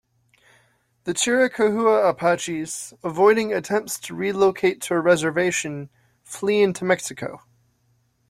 The Chiricahua Apaches, avoiding attempts to relocate to a reservation, flee into Mexico.